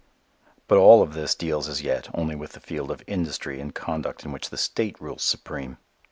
But all of this deals as yet only with the field of industry and conduct in which the state rules supreme.